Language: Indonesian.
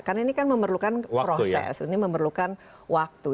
karena ini kan memerlukan proses ini memerlukan waktu